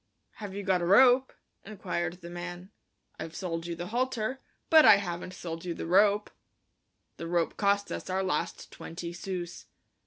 "Have you got a rope?" inquired the man. "I've sold you the halter, but I haven't sold you the rope." The rope cost us our last twenty sous.